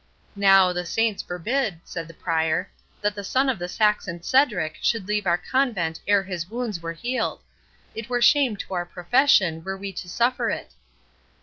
"Now, the saints forbid," said the Prior, "that the son of the Saxon Cedric should leave our convent ere his wounds were healed! It were shame to our profession were we to suffer it."